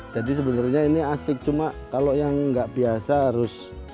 jadi sebenarnya ini asik cuma kalau yang tidak biasa harus